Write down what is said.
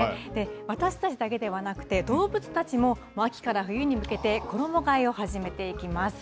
私たちだけではなくて、動物たちも秋から冬に向けて、衣がえを始めていきます。